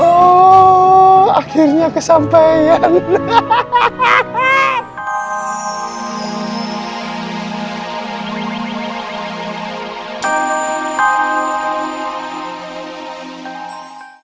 oh akhirnya kesampaian